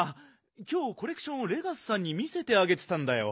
きょうコレクションをレガスさんに見せてあげてたんだよ。